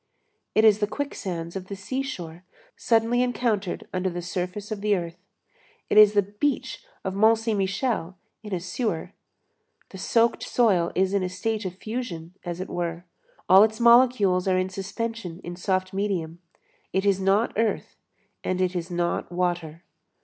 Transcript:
_ It is the quicksands of the seashore suddenly encountered under the surface of the earth; it is the beach of Mont Saint Michel in a sewer. The soaked soil is in a state of fusion, as it were; all its molecules are in suspension in soft medium; it is not earth and it is not water.